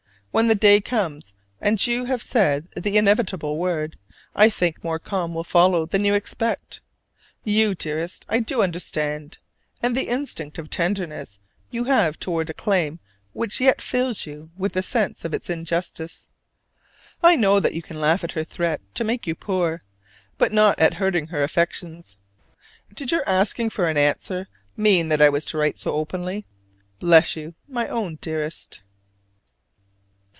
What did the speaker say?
When the day comes, and you have said the inevitable word, I think more calm will follow than you expect. You, dearest, I do understand: and the instinct of tenderness you have toward a claim which yet fills you with the sense of its injustice. I know that you can laugh at her threat to make you poor; but not at hurting her affections. Did your asking for an "answer" mean that I was to write so openly? Bless you, my own dearest.